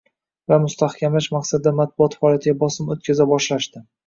va mustahkamlash maqsadida matbuot faoliyatiga bosim o‘tkaza boshlashdi.